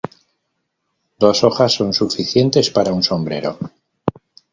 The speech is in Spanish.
Dos hojas son suficientes para un sombrero.